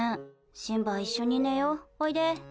シンバ一緒に寝よう、おいで。